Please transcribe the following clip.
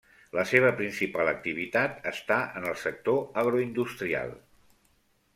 La seva principal activitat està en el sector agroindustrial.